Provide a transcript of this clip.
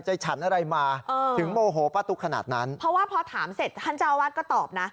ฉันอะไรมาถึงโมโหป้าตุ๊กขนาดนั้นเพราะว่าพอถามเสร็จท่านเจ้าอาวาสก็ตอบนะ